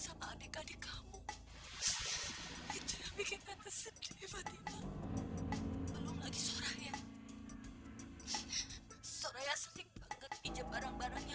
sama adik adik kamu itu yang bikin tante sedih fatima belum lagi soraya soraya sering banget pinjem barang barangnya